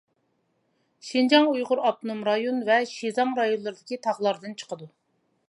شىنجاڭ ئۇيغۇر ئاپتونوم رايون ۋە شىزاڭ رايونلىرىدىكى تاغلاردىن چىقىدۇ.